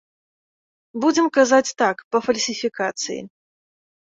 Будзем казаць так, па фальсіфікацыі.